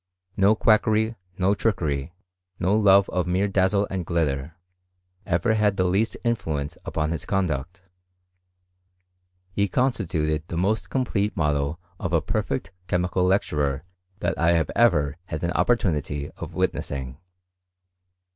No quackery, no trickery, no love of mere dazzle and glitter, ever had the least influence upon his conduct. He constituted the most complete model of a perfect chemical lecturer that I have ever had an opportunity of witnessing.